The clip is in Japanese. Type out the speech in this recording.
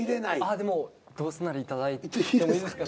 でもどうせならいただいてもいいですか？